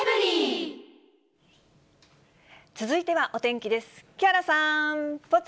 続いてはお天気です。